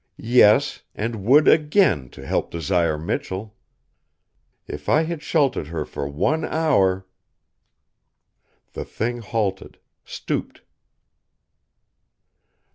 Yes, and would again to help Desire Michell! If I had sheltered her for one hour ! The Thing halted, stooped.